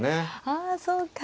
ああそうか。